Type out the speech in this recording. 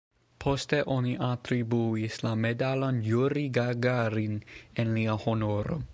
Poste oni atribuis la Medalon Jurij Gagarin en lia honoro.